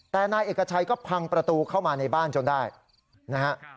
แต่นายเอกชัยก็พังประตูเข้ามาในบ้านจนได้นะฮะ